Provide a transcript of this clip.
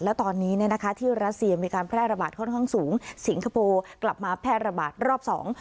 แล้วตอนนี้เนี่ยนะคะที่รัสเซียมีการแพร่ระบาดค่อนข้างสูงสิงคโปร์กลับมาแพร่ระบาดรอบสอง